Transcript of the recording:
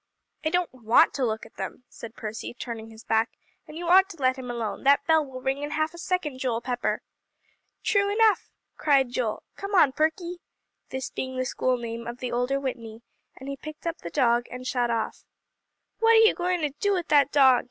"I don't want to look at them," said Percy, turning his back, "and you ought to let him alone; that bell will ring in half a second, Joel Pepper!" "True enough!" cried Joel. "Come on, Perky," this being the school name of the older Whitney, and he picked up the dog, and shot off. "What are you going to do with that dog?"